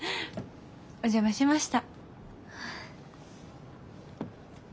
お邪魔しました。